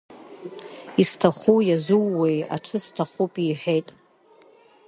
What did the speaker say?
Исҭаху иазууеи, аҽы сҭахуп, — иҳәеит.